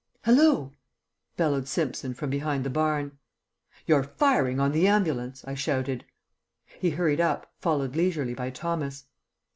"Hallo!" bellowed Simpson from behind the barn. "You're firing on the ambulance," I shouted. He hurried up, followed leisurely by Thomas.